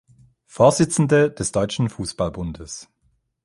Vorsitzende des Deutschen Fußball-Bundes.